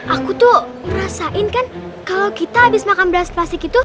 aku tuh rasain kan kalo kita abis makan beras plastik itu